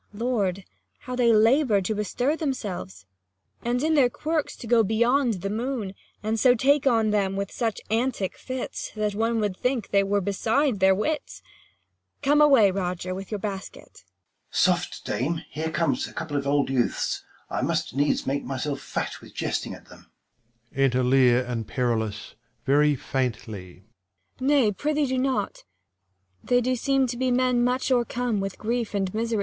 Lord, how they labour to bestir themselves, 10 And in their quirks to go beyond the moon, And so take on them with such antic fits, That one would think they were beside their wits ! Come away, Roger, with your basket. Mum. Soft, dame, here comes a couple of oldjouths, 1 5 I must needs make myself fat with jesting at them. Enter Leir and Perillus very faintly. Cor. Nay, prithee do not, they do seem to be Men much o'ercome with grief and misery^ J?